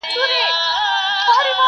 د پښتون غیرت له زوره سیند د اوښکو ګرځومه-